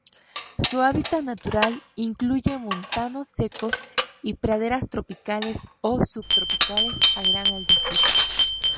Su hábitat natural incluye montanos secos y praderas tropicales o subtropicales a gran altitud.